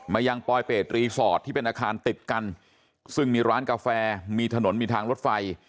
ยังปลอยเปรตรีสอร์ทที่เป็นอาคารติดกันซึ่งมีร้านกาแฟมีถนนมีทางรถไฟ